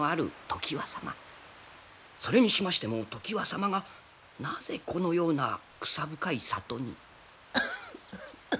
それにしましても常磐様がなぜこのような草深い里に？